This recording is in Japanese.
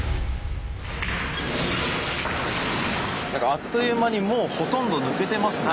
あっという間にもうほとんど抜けてますね。